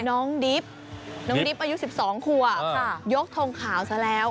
น้องดิบน้องดิบอายุ๑๒ขัวยกทงขาวซะแล้ว